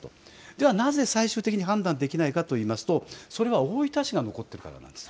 ではなぜ最終的に判断できないかというと大分市が残っているからです。